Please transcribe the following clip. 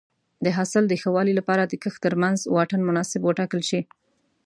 د حاصل د ښه والي لپاره د کښت ترمنځ واټن مناسب وټاکل شي.